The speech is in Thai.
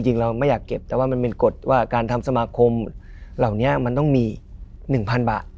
เราไม่อยากเก็บแต่ว่ามันเป็นกฎว่าการทำสมาคมเหล่านี้มันต้องมี๑๐๐๐บาท